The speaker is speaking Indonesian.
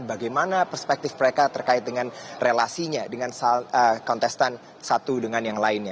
bagaimana perspektif mereka terkait dengan relasinya dengan kontestan satu dengan yang lainnya